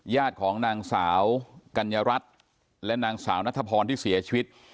ญาติของนางสาวกัญญารัฐและนางสาวนัทพรที่เสียชีวิต